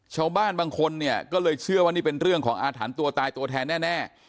ชาวบ้านบางคนเนี่ยก็เลยเชื่อว่านี่เป็นเรื่องของอาถรรพ์ตัวตายตัวแทนแน่